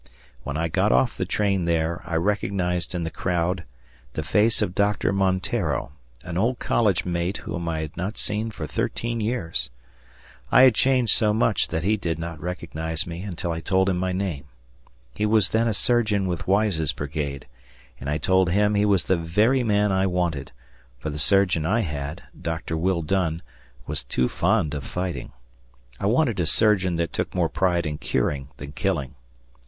When I got off the train there, I recognized in the crowd the face of Doctor Monteiro, an old college mate whom I had not seen for thirteen years. I had changed so much that he did not recognize me until I told him my name. He was then a surgeon with Wise's brigade, and I told him he was the very man I wanted, for the surgeon I had, Doctor Will Dunn, was too fond of fighting. I wanted a surgeon that took more pride in curing than killing.